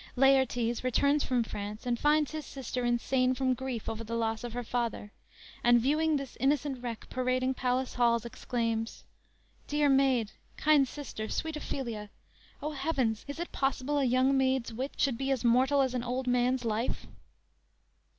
"_ Laertes returns from France and finds his sister insane from grief over the loss of her father, and viewing this innocent wreck parading palace halls, exclaims: _"Dear maid, kind sister, sweet Ophelia! O heavens! is it possible a young maid's wits Should be as mortal as an old man's life?"